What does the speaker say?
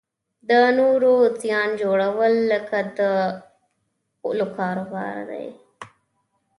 د نورو زیان جوړول لکه د غولو کاروبار دی.